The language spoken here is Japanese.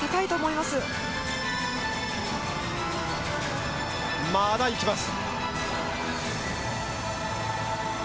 まだ行きます。